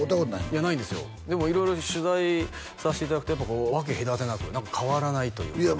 いやないんですよでも色々取材させていただくとやっぱこう分け隔てなく変わらないというかいや